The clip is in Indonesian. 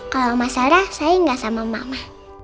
kalau mas sarah sayang gak sama mama